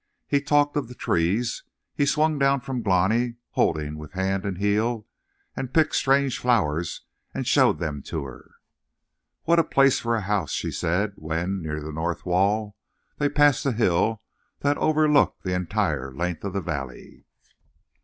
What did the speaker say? He talked of the trees. He swung down from Glani, holding with hand and heel, and picked strange flowers and showed them to her. "What a place for a house!" she said, when, near the north wall, they passed a hill that overlooked the entire length of the valley.